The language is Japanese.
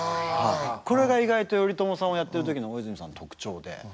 これが意外と頼朝さんをやってる時の大泉さんの特徴で。